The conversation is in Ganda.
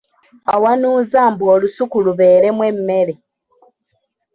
Awanuuza mbu olusuku lubeeremu emmere